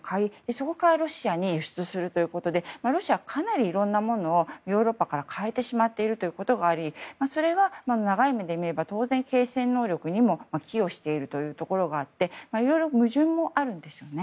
そこからロシアに輸出することでロシアはいろんなものをヨーロッパから買えてしまっているということがありそれは長い目で見れば当然、継戦能力にも寄与しているところがあっていろいろ矛盾もあるんですよね。